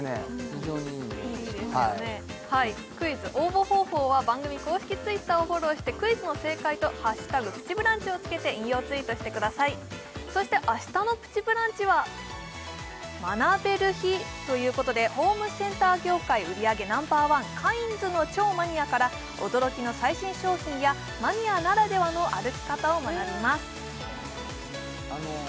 非常にいい匂いでしたクイズ応募方法は番組公式Ｔｗｉｔｔｅｒをフォローしてクイズの正解と「＃プチブランチ」を付けて引用ツイートしてくださいそして明日の「プチブランチ」は学べる日ということでホームセンター業界売り上げナンバーワンカインズの超マニアから驚きの最新商品やマニアならではの歩き方を学びます